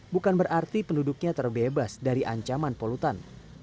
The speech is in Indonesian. bukan berarti penduduknya terbebas dari ancaman polutan